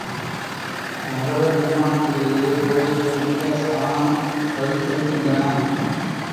நகர நிர்மாணத்திலேயே கோயில்கள் முக்யஸ்தானம் வகித்திருக்கின்றன.